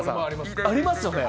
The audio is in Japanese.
ありますよね。